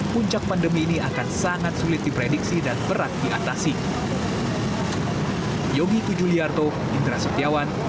puncak pandemi ini akan sangat sulit diprediksi dan berat diatasi